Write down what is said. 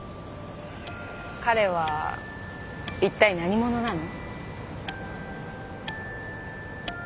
彼はいったい何者なの？